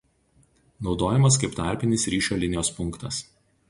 Naudojamas kaip tarpinis ryšio linijos punktas.